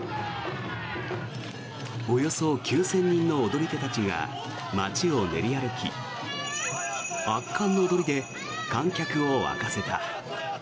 およそ９０００人の踊り手たちが街を練り歩き圧巻の踊りで観客を沸かせた。